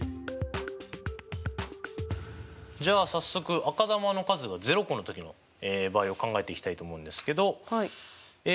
じゃあ早速赤球の数が０個の時の場合を考えていきたいと思うんですけどえ